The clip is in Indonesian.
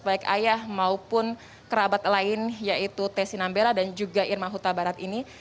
baik ayah maupun kerabat lain yaitu tes sinambela dan juga irma huta barat ini